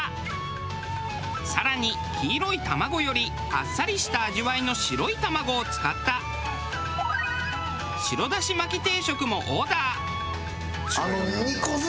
更に黄色い卵よりあっさりした味わいの白い卵を使った白だし巻き定食もオーダー。